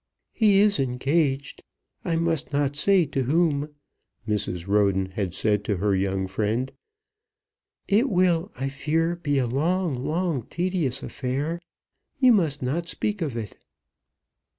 "He is engaged; I must not say to whom," Mrs. Roden had said to her young friend. "It will, I fear, be a long, long, tedious affair. You must not speak of it."